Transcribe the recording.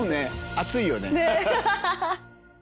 熱いよね？